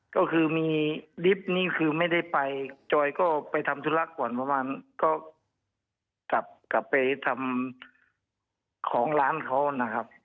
ก็คือมีดิบนี่คือไม่ได้ไปจอยก็ไปทำธุระก่อนเมื่อวานก็กลับกลับไปทำของร้านเขานะครับ